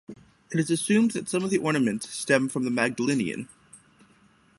It is assumed that some of the ornaments stem from the Magdalenian.